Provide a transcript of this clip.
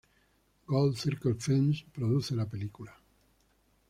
Gold Circle Films produce la película.